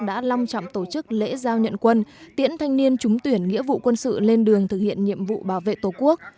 đã long trọng tổ chức lễ giao nhận quân tiễn thanh niên trúng tuyển nghĩa vụ quân sự lên đường thực hiện nhiệm vụ bảo vệ tổ quốc